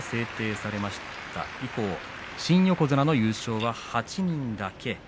それ以降、新横綱の優勝は８人だけです。